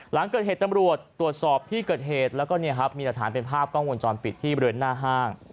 หลังเกิดเหตุจังหลวดตรวจสอบที่เกิดเหตุแล้วก็มีอัฐานเป็นภาพกล้องวนจรปิดที่เรือนหน้าห้าง